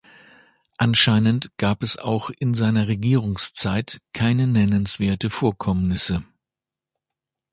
Anscheinend gab es auch in seiner Regierungszeit keine nennenswerte Vorkommnisse.